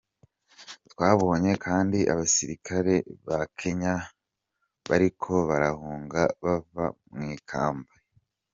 Twabonye kandi abasirikare ba Kenya bariko barahunga bava mw’ikambi.